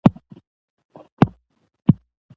لکه.